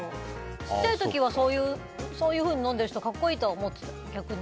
小さい時はそういうふうに飲んでる人格好いいとは思ってた、逆に。